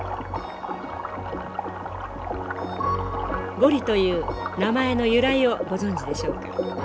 ゴリという名前の由来をご存じでしょうか？